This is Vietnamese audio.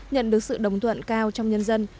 nhận được sự đồng thuận cao trong nhân dân